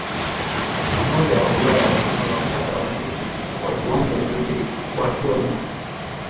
umoja wa ulaya umewataka wamiliki wa viwanja vya ndege kuchukuwa hatua madhubuti